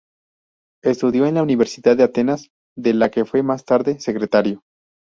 Estudió en la Universidad de Atenas, de la que fue más tarde secretario.